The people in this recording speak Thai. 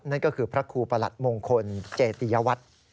นั่นก็คือพระครูประหลัดมงคลเจติยวัตร